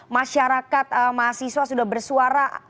masyarakat mahasiswa sudah bersuara